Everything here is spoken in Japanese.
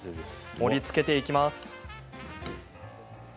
盛りつけていきます。